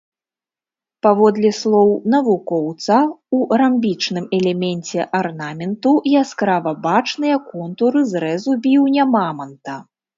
Паводле слоў навукоўца, у рамбічным элеменце арнаменту яскрава бачныя контуры зрэзу біўня маманта.